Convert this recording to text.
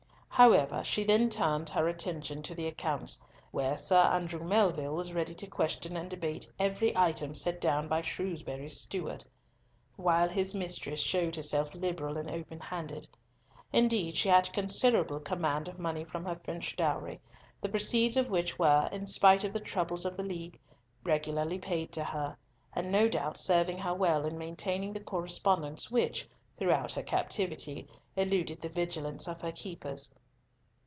However, she then turned her attention to the accounts, where Sir Andrew Melville was ready to question and debate every item set down by Shrewsbury's steward; while his mistress showed herself liberal and open handed. Indeed she had considerable command of money from her French dowry, the proceeds of which were, in spite of the troubles of the League, regularly paid to her, and no doubt served her well in maintaining the correspondence which, throughout her captivity, eluded the vigilance of her keepers.